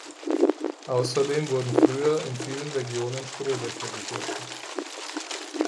Außerdem wurden früher in vielen Regionen Strohdächer gefertigt.